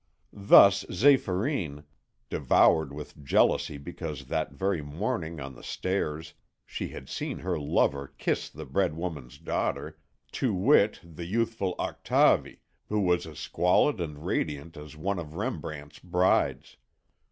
Thus Zéphyrine, devoured with jealousy because that very morning on the stairs she had seen her lover kiss the bread woman's daughter, to wit the youthful Octavie, who was as squalid and radiant as one of Rembrandt's Brides.